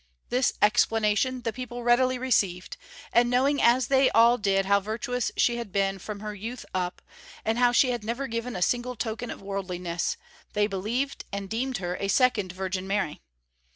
This explanation the people readily received, and knowing as they all did how virtuous she had been from her youth up, and how she had never given a single token of worldliness, they believed and deemed her a second Virgin Mary.